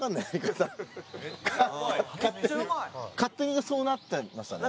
勝手にそうなっちゃいましたね。